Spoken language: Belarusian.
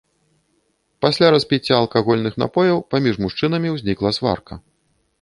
Пасля распіцця алкагольных напояў паміж мужчынамі ўзнікла сварка.